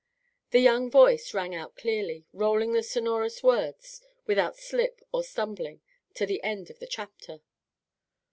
The young voice rang out clearly, rolling the sonorous words, without slip or stumbling, to the end of the chapter.